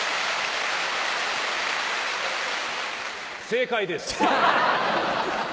正解です！